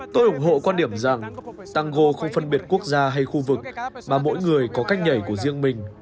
tôi ủng hộ quan điểm rằng tango không phân biệt quốc gia hay khu vực mà mỗi người có cách nhảy của riêng mình